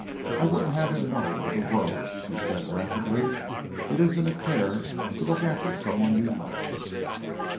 "I wouldn't have him know for the world," she said rapidly. "It isn't a care to look after someone you love."